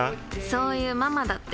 そういうママだって。